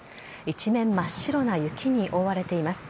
一面真っ白な雪に覆われています。